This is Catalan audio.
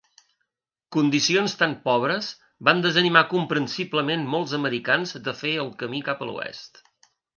Condicions tan pobres van desanimar comprensiblement molts americans de fer el camí cap a l'oest.